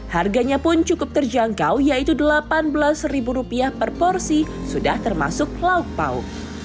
harganya pun cukup terjangkau yaitu rp delapan belas per porsi sudah termasuk lauk pau